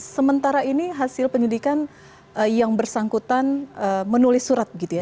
sementara ini hasil penyidikan yang bersangkutan menulis surat gitu ya